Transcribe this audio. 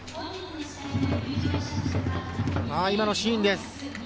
今のシーンです。